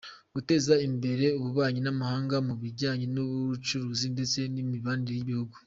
Guteza imbere ububanyi n’amahanga mu bijyanye n’ubucuruzi ndetse n’imibanire y’ibihugu